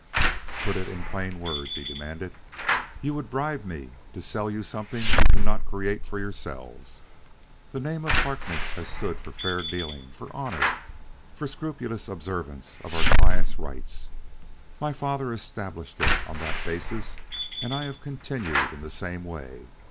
"Put it in plain words," he demanded. "You would bribe me to sell you something you cannot create for yourselves. The name of Harkness has stood for fair dealing, for honor, for scrupulous observance of our clients' rights. My father established it on that basis and I have continued in the same way.